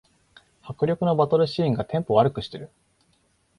迫力のバトルシーンがテンポ悪くしてる